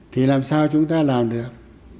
thì làm sao chúng ta làm được